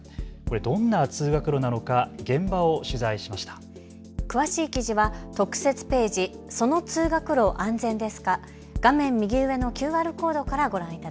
どんな通学路なのか現場を取材しました。